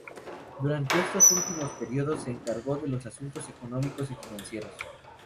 Durante estos últimos periodos se encargó de los asuntos económicos y financieros.